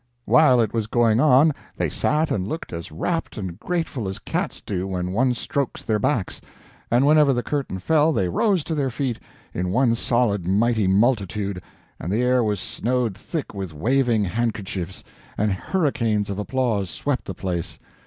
While it was going on they sat and looked as rapt and grateful as cats do when one strokes their backs; and whenever the curtain fell they rose to their feet, in one solid mighty multitude, and the air was snowed thick with waving handkerchiefs, and hurricanes of applause swept the place.